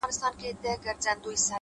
ستا شاعري گرانه ستا اوښکو وړې؛